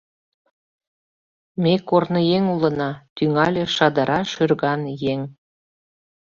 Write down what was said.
— Ме корныеҥ улына, — тӱҥале шадыра шӱрган еҥ.